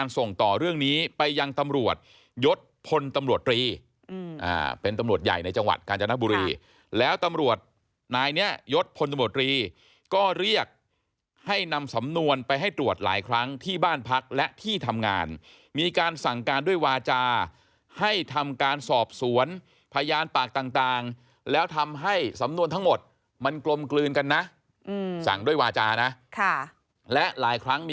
ส่งต่อเรื่องนี้ไปยังตำรวจยศพลตำรวจรีเป็นตำรวจใหญ่ในจังหวัดกาญจนบุรีแล้วตำรวจนายนี้ยศพลตำรวจรีก็เรียกให้นำสำนวนไปให้ตรวจหลายครั้งที่บ้านพักและที่ทำงานมีการสั่งการด้วยวาจาให้ทำการสอบสวนพยานปากต่างแล้วทำให้สำนวนทั้งหมดมันกลมกลืนกันนะสั่งด้วยวาจานะค่ะและหลายครั้งมี